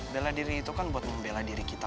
bela diri itu kan buat membela diri kita